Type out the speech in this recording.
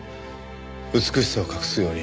美しさを隠すように。